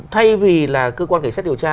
thay vì là cơ quan cảnh sát điều tra